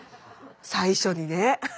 最初にね。